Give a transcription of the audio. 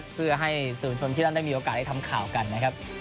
เพื่อให้สื่อมวลชนที่นั่นได้มีโอกาสได้ทำข่าวกันนะครับ